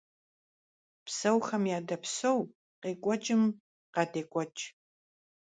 Псэухэм ядэпсэу, къекӀуэкӀым къадекӀуэкӀ.